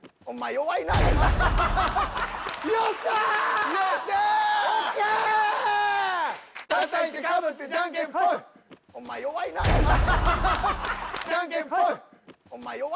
お前弱いなぁ。